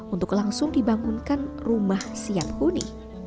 untuk langsung dibangunkan rumah siap huni